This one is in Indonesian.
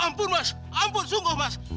ampun mas ampun sungguh mas